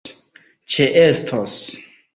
ĉeestos